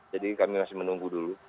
jadi kami masih menunggu dulu